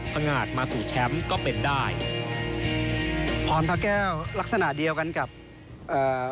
งาดมาสู่แชมป์ก็เป็นได้พรพระแก้วลักษณะเดียวกันกับเอ่อ